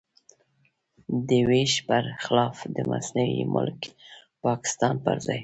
د وېش پر خلاف د مصنوعي ملک پاکستان پر ځای.